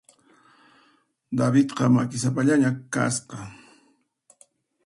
Davidqa makisapallaña kasqa.